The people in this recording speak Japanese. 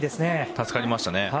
助かりましたね。